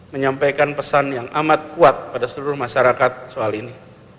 menyampaikan pesan yang amat kuat pada seluruh masyarakat soal ini